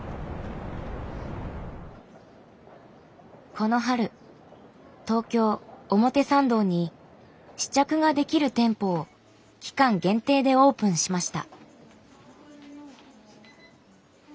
この春東京・表参道に試着ができる店舗を期間限定でオープンしました。